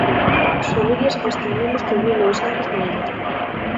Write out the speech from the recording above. As familias gastan menos ca en mil novecentos noventa